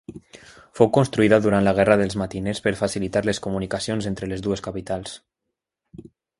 Fou construïda durant la Guerra dels Matiners per facilitar les comunicacions entre les dues capitals.